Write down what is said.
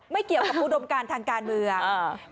ไม่เกี่ยวกับอุดมการทางการเมือง